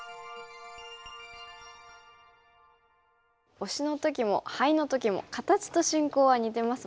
オシの時もハイの時も形と進行は似てますもんね。